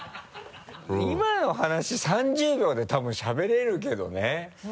今の話３０秒で多分しゃべれるけどね。